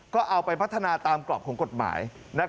ก็เอาไปพัฒนาตามกรอบของกฎหมาย